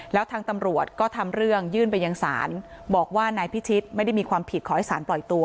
แล้วทางตำรวจก็ทำเรื่องยื่นไปยังศาลบอกว่านายพิชิตไม่ได้มีความผิดขอให้สารปล่อยตัว